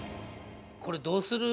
これどうする？